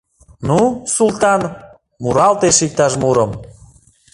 — Ну, Султан, муралте эше иктаж мурым!